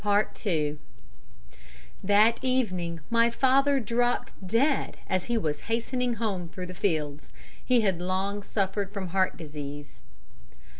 "That evening my father dropped dead as he was hastening home through the fields. He had long suffered from heart disease.